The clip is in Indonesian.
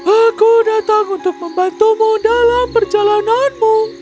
aku datang untuk membantumu dalam perjalananmu